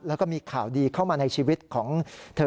แล้วก็มีข่าวดีเข้ามาในชีวิตของเธอ